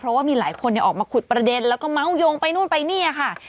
เพราะว่ามีหลายคนออกมาขุดประเด็นแล้วก็เมาส์โยงไปนู่นไปนี่ค่ะ